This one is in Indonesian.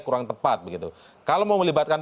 kurang tepat begitu kalau mau melibatkan